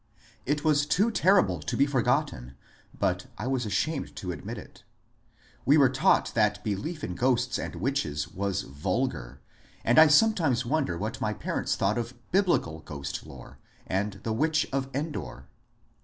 It was too terrible to be forgotten, but I was ashamed to mention it. We were taught that belief in ghosts and witches was vulgar, and I sometimes wonder what my parents thought of biblical ghost lore and the witch of Endor.